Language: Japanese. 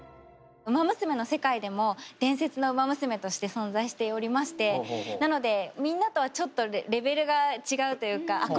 「ウマ娘」の世界でも伝説のウマ娘として存在しておりましてなのでみんなとはちょっとレベルが違うというか憧れの的みたいな存在のウマ娘なので